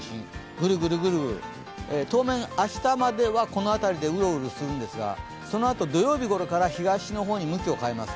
ぐるぐるぐるぐる、当面明日まではうろうろするんですがそのあと土曜日ごろから東の方に向きを変えます。